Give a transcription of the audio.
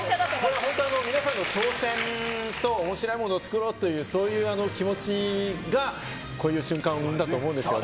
本当、皆さんの挑戦と、おもしろいものを作ろうというそういう気持ちが、こういう瞬間を生んだと思うんですよね。